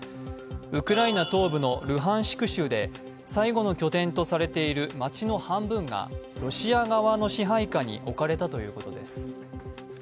ウクライナ東部のルハンシク州で最後の拠点とされている街の半分がロシア側の支配下に置かれたということです。